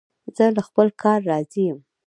زه له خپل کار راضي یم.